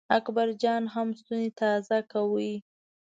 اکبر جان هم ستونی تازه کاوه.